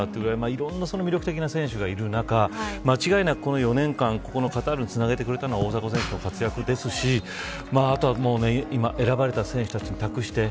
いろんな魅力的な選手がいる中間違いなくこの４年間カタールにつなげてくれたのは大迫選手の活躍ですし選ばれた選手たちに託して。